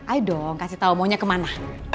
ayo dong kasih tau maunya kemana